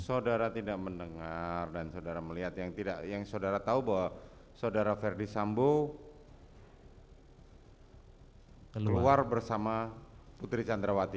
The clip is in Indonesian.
saudara tidak mendengar dan saudara melihat yang tidak yang saudara tahu bahwa saudara ferdi sambo keluar bersama putri candrawati